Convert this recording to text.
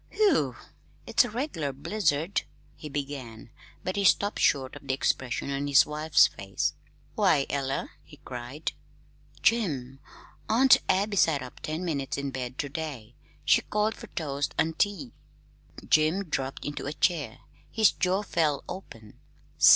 "Whew! It's a reg'lar blizzard," he began, but he stopped short at the expression on his wife's face. "Why, Ella!" he cried. "Jim Aunt Abby sat up ten minutes in bed ter day. She called fer toast an' tea." Jim dropped into a chair. His jaw fell open.